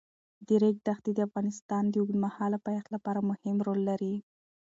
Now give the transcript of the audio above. د ریګ دښتې د افغانستان د اوږدمهاله پایښت لپاره مهم رول لري.